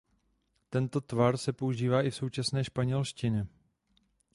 Tento tvar se používá i v současné španělštině.